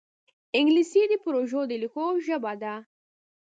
انګلیسي د پروژو د لیکلو ژبه ده